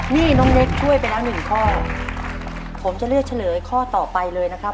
นี่น้องเน็กช่วยไปแล้วหนึ่งข้อผมจะเลือกเฉลยข้อต่อไปเลยนะครับ